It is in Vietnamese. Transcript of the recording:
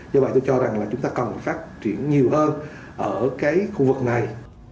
do vậy tôi cho rằng là chúng ta cần phát triển nhiều hơn ở cái khu vực này